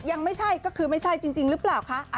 ยังไม่ใช่ก็คือไม่ใช่จริงหรือเปล่าคะ